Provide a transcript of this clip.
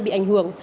bị ảnh hưởng